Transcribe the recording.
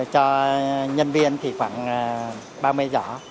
cho nhân viên thì khoảng ba mươi giỏ